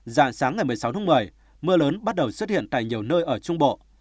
dạng sáng ngày một mươi sáu tháng một mươi mưa lớn bắt đầu xuất hiện tại nhiều nơi ở trung bộ